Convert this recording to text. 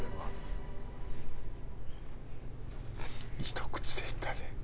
ひと口でいったで。